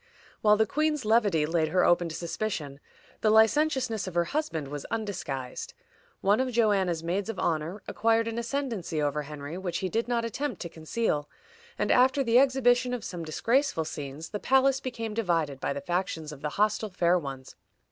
While the queen's levity laid her open to suspicion, the licentiousness of her husband was undisguised. One of Joanna's maids of honor acquired an ascendency over Henry which he did not attempt to conceal, and after the exhibition of some disgraceful scenes, the palace became divided by the factions of the hostile fair ones.